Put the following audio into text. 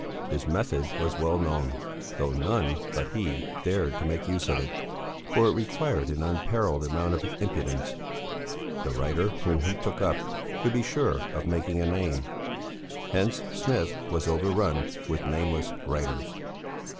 His method was well known, though none but he dared to make use of it, for it required an unparalleled amount of impudence. The writer whom he took up could be sure of making a name; hence Smith was overrun with nameless writers.